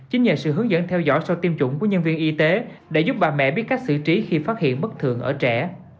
chính nhờ sự hướng dẫn theo dõi sau tiêm chủng của nhân viên y tế đã giúp bà mẹ biết cách xử trí khi phát hiện bất thường ở trẻ